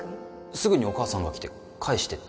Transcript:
すぐお母さんが来て返してって